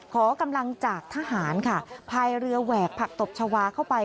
ขอกำลังจากทหารค่ะพายเรือแหวกผักตบชาวาเข้าไป